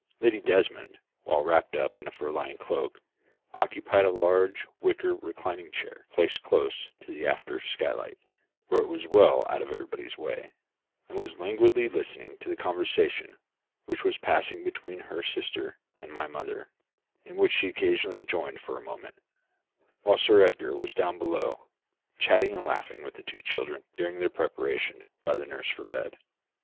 Lady Desmond, well wrapped up in a fur lined cloak, occupied a large wicker reclining chair placed close to the after skylight, where it was well out of everybody's way, and was languidly listening to the conversation which was passing between her sister and my mother, in which she occasionally joined for a moment; while Sir Edgar was down below, chatting and laughing with the two children during their preparation by the nurse for bed.